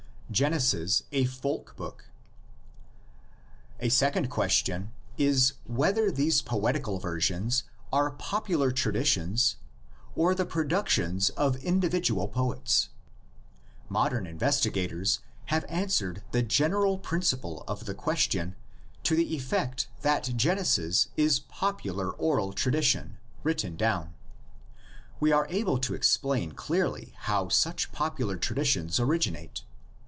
GENESIS A FOLK BOOK. A second question is, whether these poetic ver sions are popular traditions or the productions of individual poets. Modern investigators have answered the general principle of the question to the effect that Genesis is popular oral tradition written down. We are able to explain clearly how such popular traditions originate.